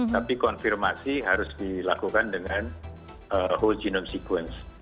tapi konfirmasi harus dilakukan dengan whole genome sequence